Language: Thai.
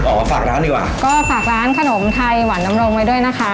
ก็ฝากร้านขนมไทยหวานดำรงไว้ด้วยนะคะ